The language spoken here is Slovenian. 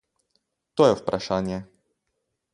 To je vprašanje.